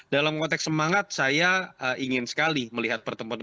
dalam konteks semangat saya ingin sekali melihat pertemuan ini